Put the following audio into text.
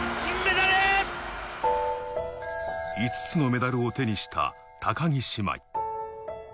５つのメダルを手にした高木姉妹。